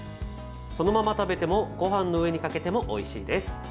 そのまま食べてもごはんの上にかけてもおいしいです。